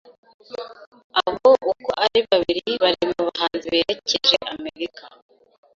abo uko ari babiri bari mu bahanzi berekeje amaerica